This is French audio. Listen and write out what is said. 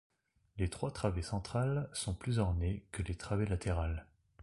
Les trois travées centrales sont plus ornées que les travées latérales.